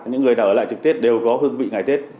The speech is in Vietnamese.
những người ở lại trực tết đều có hương vị ngày tết